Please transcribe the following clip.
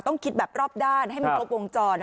ต้องคิดแบบรอบด้านให้มันครบวงจร